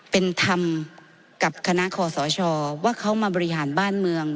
เป็นธรรมกับคณะคอสชว่าเขามาบริหารบ้านเมือง